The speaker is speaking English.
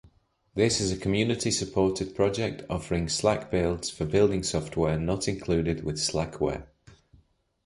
This is a community-supported project offering SlackBuilds for building software not included with Slackware.